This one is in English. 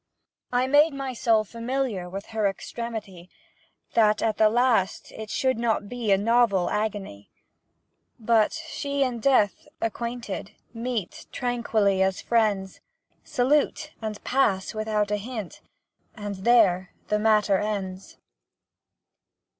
I made my soul familiar With her extremity, That at the last it should not be A novel agony, But she and Death, acquainted, Meet tranquilly as friends, Salute and pass without a hint And there the matter ends.